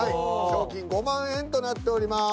賞金５万円となっております。